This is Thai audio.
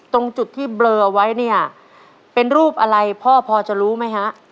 ตรงจุดที่เบลอไว้เนี่ยเป็นรูปอะไรพ่อพอจะรู้ไหมฮะ